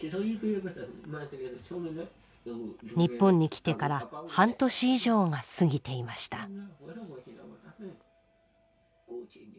日本に来てから半年以上が過ぎていました。